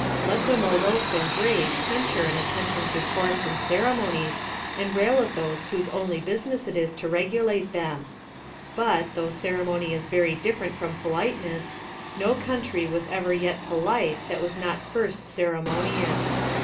Let the morose and grave censure an attention to forms and LIFE OF RICHARD NASH. 57 ceremonies, and rail at those whose only business it is to regulate them ; but, though ceremony is very different from politeness, no country was ever yet polite that was not first ceremonious.